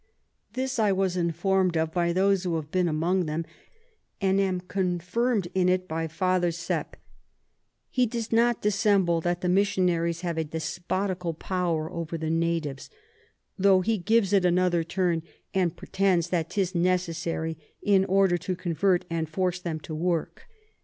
This I was inform'd of by those who have been among them, and am confirm'd in it by Father Sepp: He does not dissemble that the Missionaries have a Despotical Power over the Natives, tho he gives it another Turn, and pretends that 'tis necessary in order to convert and force them to work.